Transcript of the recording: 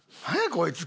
こいつ。